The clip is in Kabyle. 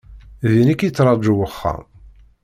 Din i k-yetraju wexxam.